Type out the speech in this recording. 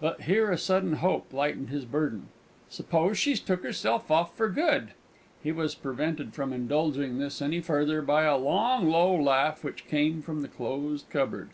(But here a sudden hope lightened his burden.) "Suppose she's took herself off for good?" He was prevented from indulging this any further by a long, low laugh, which came from the closed cupboard.